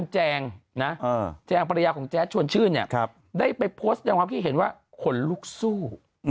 แจ้งภรรยาของแจ๊งชวนชื่อนี้ได้ไปโพสต์อย่างว่าคนลูกซู่